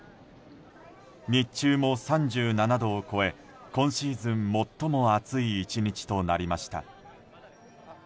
日中も３７度を超え今シーズン最も暑い１日となりました。